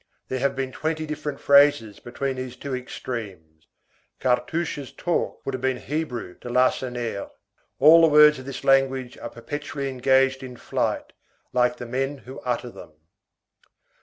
There have been twenty different phrases between these two extremes. Cartouche's talk would have been Hebrew to Lacenaire. All the words of this language are perpetually engaged in flight like the men who utter them.